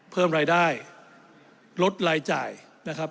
เพิ่มรายได้ลดรายจ่ายนะครับ